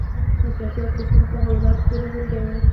د سیاسي او فکري تحولاتو تېرېدونکی و.